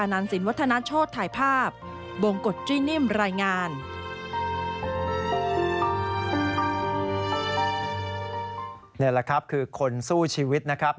นี่แหละครับคือคนสู้ชีวิตนะครับ